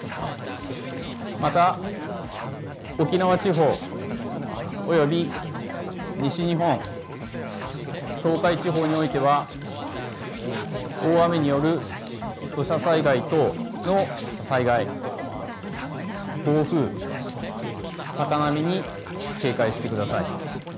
また沖縄地方および西日本、東海地方においては大雨による土砂災害等の災害、暴風、高波に警戒してください。